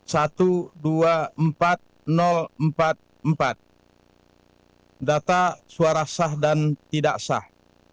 jumlah suara sah dan tidak sah